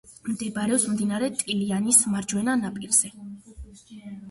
მდებარეობს მდინარე ტილიანის მარჯვენა ნაპირზე.